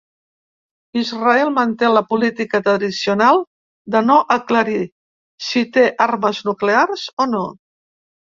Israel manté la política tradicional de no aclarir si té armes nuclears o no.